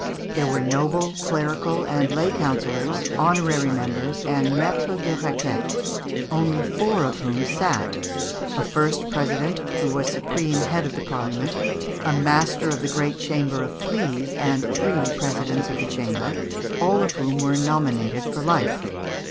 There were noble, clerical, and lay councillors, honorary members, and maîtres de requête, only four of whom sat; a first president, who was supreme head of the Parliament, a master of the great chamber of pleas, and three presidents of the chamber, all of whom were nominated for life.